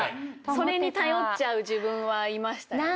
それに頼っちゃう自分はいましたよね。